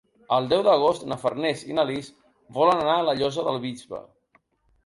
El deu d'agost na Farners i na Lis volen anar a la Llosa del Bisbe.